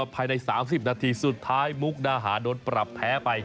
ภายใน๓๐นาทีสุดท้ายมุกดาหาโดนปรับแพ้ไป